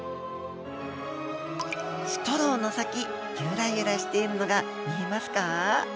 ストローの先ゆらゆらしているのが見えますか？